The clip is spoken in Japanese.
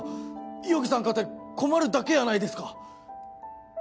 五百木さんかて困るだけやないですか